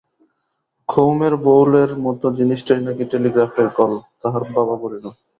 খড়মের বউলের মতো জিনিসটাই নাকি টেলিগ্রাফের কল, তাহার বাবা বলিল।